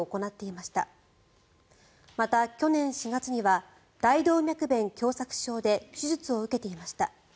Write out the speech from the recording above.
また、去年４月には大動脈弁狭窄症で手術を受けていました。